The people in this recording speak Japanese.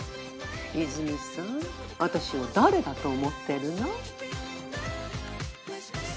いづみさん私を誰だと思ってるの？